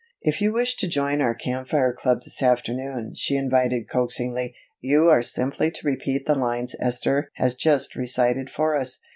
"If you wish to join our Camp Fire club this afternoon," she invited coaxingly, "you are simply to repeat the lines Esther has just recited for us.